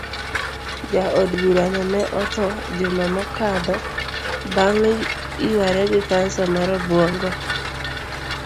Jaod burano ne otho juma mokadho bang yuare gi cancer mar obuongo.